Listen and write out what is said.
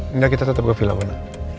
indah kita tetep ke villa kona